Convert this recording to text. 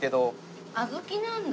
小豆なんだ。